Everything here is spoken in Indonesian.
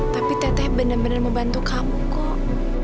tapi tete bener bener mau bantu kamu kok